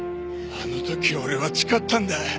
あの時俺は誓ったんだ。